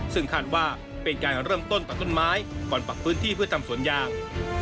ซึ่งคาดว่าเป็นการเริ่มต้นตัดต้นไม้ก่อนปักพื้นที่เพื่อทำสวนยาง